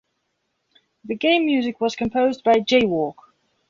The game music was composed by J-Walk.